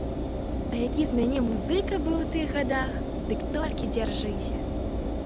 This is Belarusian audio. А які з мяне музыка быў у тых гадах, дык толькі дзяржыся!